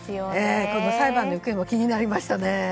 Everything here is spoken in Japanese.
裁判の行方も気になりますね。